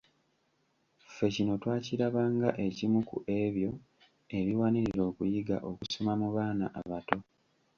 Ffe kino twakiraba nga ekimu ku ebyo ebiwanirira okuyiga okusoma mu baana abato.